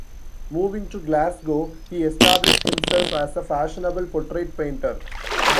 Moving to Glasgow, he established himself as a fashionable portrait painter.